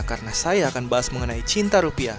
karena saya akan bahas mengenai cinta rupiah